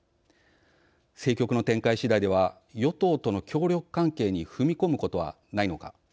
政局の展開次第では与党との協力関係に踏み込むことはないのか。